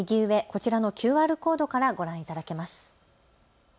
こちらのＱＲコードからご覧いただけます。